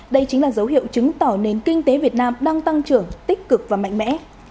đây chính là dấu hiệu chứng tỏ nền kinh tế việt nam đang tăng trưởng tích cực và mạnh mẽ